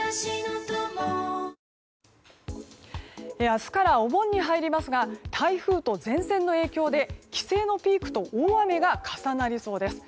明日からお盆に入りますが台風と前線の影響で帰省のピークと大雨が重なりそうです。